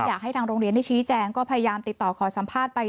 อยากให้ทางโรงเรียนได้ชี้แจงก็พยายามติดต่อขอสัมภาษณ์ไป